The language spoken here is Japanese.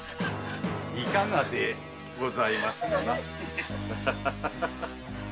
いかがでございますかな。